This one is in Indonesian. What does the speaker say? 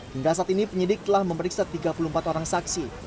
hingga saat ini penyidik telah memeriksa tiga puluh empat orang saksi